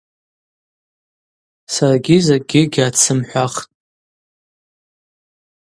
Саргьи закӏгьи гьацсымхӏвахтӏ.